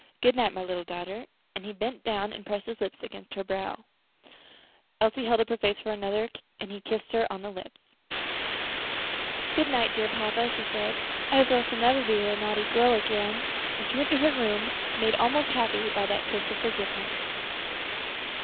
Good night, my little daughter," and he bent down and pressed his lips to her brow. Elsie held up her face for another, and he kissed her lips. "Good night, dear papa," she said, "I hope I shall never be such a naughty girl again." And she went to her room, made almost happy by that kiss of forgiveness.